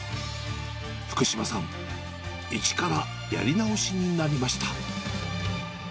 福島さん、一からやり直しになりました。